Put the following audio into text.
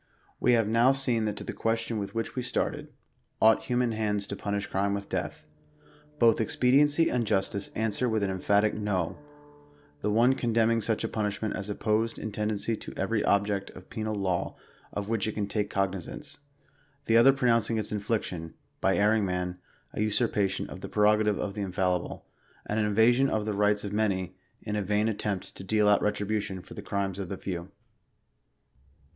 We have now seen that to the question with which we started — ought human hands to punish crime with death ?— ^hoth ex pediency and justice answer with an emphatic no : the one con demning such a punishment as opposed in tendency to every object of penal law of which it can take cognisance ; the other pronouncing its infliction, by erring man, a usurpation of the prerogative of the Infallible, and an invasion of the rights of the many, in a vain attempt to deal out retribution for the crimes of the few.